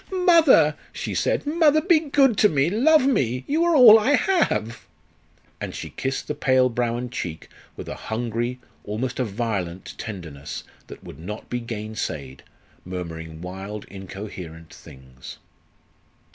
"Mother!" she said. "Mother, be good to me love me you are all I have!" And she kissed the pale brow and cheek with a hungry, almost a violent tenderness that would not be gainsaid, murmuring wild incoherent things.